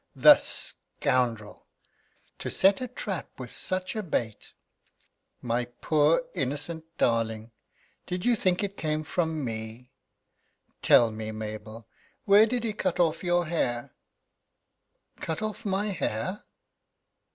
"The scoundrel! To set a trap with such a bait! My poor, innocent darling, did you think it came from me? Tell me, Mabel, where did he cut off your hair?" "Cut off my hair?"